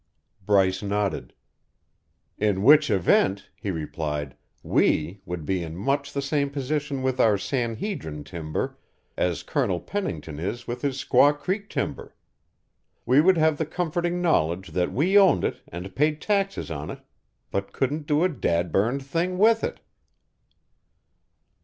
Bryce nodded. "In which event," he replied, "we, would be in much the same position with our San Hedrin timber as Colonel Pennington is with his Squaw Creek timber. We would have the comforting knowledge that we owned it and paid taxes on it but couldn't do a dad burned thing with it!"